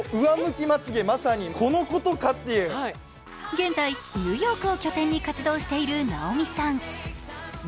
現在、ニューヨークを拠点に活動している直美さん。